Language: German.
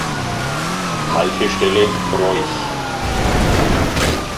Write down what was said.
Haltestelle: Broich